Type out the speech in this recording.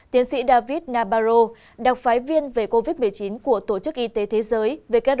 tiến sĩ david nabaro đặc phái viên về covid một mươi chín của tổ chức y tế thế giới